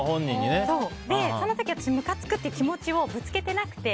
その時、私はムカつくって気持ちをぶつけてなくて。